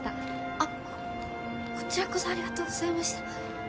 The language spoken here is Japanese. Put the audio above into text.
あっここちらこそありがとうございました。